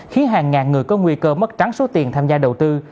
khiến hàng ngàn người có nguy cơ mất trắng số tiền tham gia đầu tư